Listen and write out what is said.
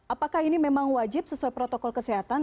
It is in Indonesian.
apakah ini memang wajib sesuai protokol kesehatan